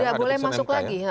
tidak boleh masuk lagi